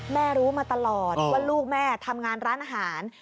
รู้มาตลอดว่าลูกแม่ทำงานร้านอาหาร